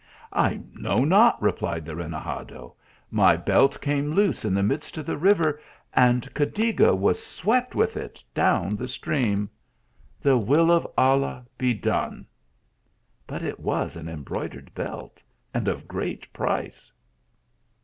" I know not," replied the renegade. " My belt came loose in the midst of the river, and Cadiga was swept with it down the stream. The will of Allah be done ! but it was an embroidered belt and of great price